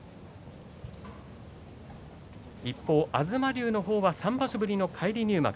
一方、東龍の方は３場所ぶりの返り入幕